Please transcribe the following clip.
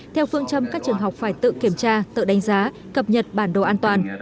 theo phương châm các trường học phải tự kiểm tra tự đánh giá cập nhật bản đồ an toàn